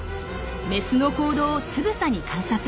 メスの行動をつぶさに観察。